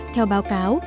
theo báo cáo